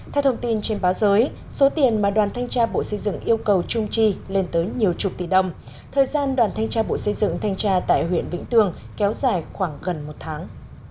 theo thông tin trên báo giới số tiền mà đoàn thanh tra bộ xây dựng yêu cầu trung chi lên tới nhiều chục tỷ đồng thời gian đoàn thanh tra bộ xây dựng thanh tra tại huyện vĩnh tường kéo dài khoảng gần một tháng